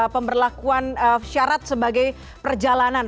pemberlakuan syarat sebagai perjalanan